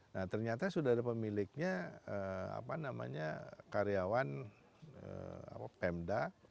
nah ternyata sudah ada pemiliknya apa namanya karyawan pemda